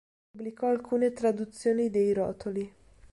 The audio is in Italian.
Pubblicò alcune traduzioni dei rotoli.